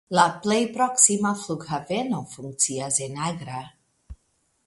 La plej proksima flughaveno funkcias en Agra.